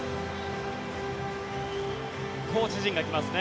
コーチ陣が来ますね。